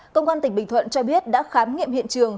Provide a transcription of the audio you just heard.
công an tỉnh bình thuận cho biết đã khám nghiệm hiện trường